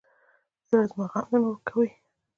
زړه زما غم د نورو کوي.